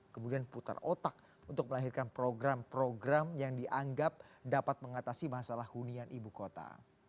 kemudian putar otak untuk melahirkan program program yang dianggap dapat mengatasi masalah hunian ibu kota